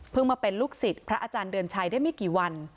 มาเป็นลูกศิษย์พระอาจารย์เดือนชัยได้ไม่กี่วัน